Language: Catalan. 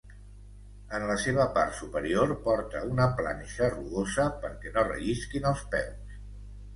En la seva part superior porta una planxa rugosa perquè no rellisquin els peus.